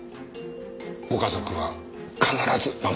ご家族は必ず守ります。